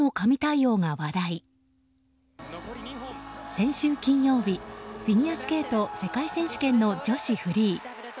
先週金曜日フィギュアスケート世界選手権の女子フリー。